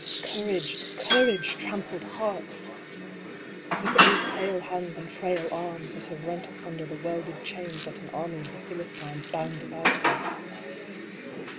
Courage, courage! trampled hearts ! Look at these pale hands and frail arms, that have rent asunder the welded chains that an army of the Philistines bound about me